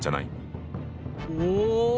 お！